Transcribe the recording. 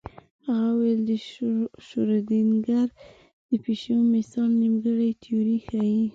هغه ویل د شرودینګر د پیشو مثال نیمګړې تیوري ښيي.